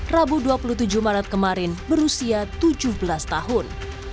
rabu dua puluh tujuh maret kemarin berusia tujuh belas tahun